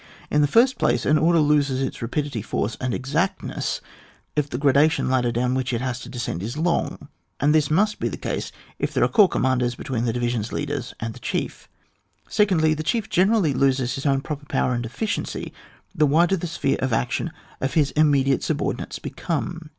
In the first place, an order loses in rapidity, force, and exact ness if the gradation ladder down which it has to descend is long, and this must be the case if there are corps commanders between the division leaders and the chief ; secondly, the chief loses generally in his own proper power and efficiency the wider the spheres of action of his immediate subordinates become.